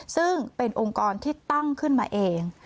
ซึ่งเป็นองค์กรที่ตั้งขึ้นมาเอง